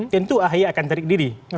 tentu ahy akan tarik diri